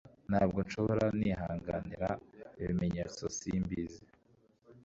Ntabwo nshobora nihanganira ibimenyetso simbizi